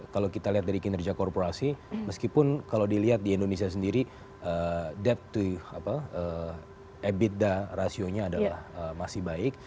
kalau kita lihat dari kinerja korporasi meskipun kalau dilihat di indonesia sendiri dead to ebitda rasionya adalah masih baik